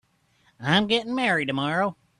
I'm getting married tomorrow.